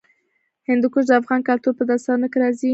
هندوکش د افغان کلتور په داستانونو کې راځي.